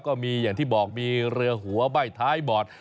ก็มีอย่างที่บอกมีเรือหัวใบ้ท้ายบอด